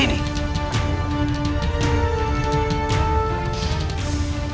ampun nanda prabu